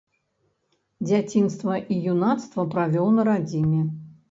Дзяцінства і юнацтва правёў на радзіме.